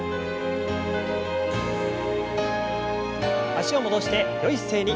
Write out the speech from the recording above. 脚を戻してよい姿勢に。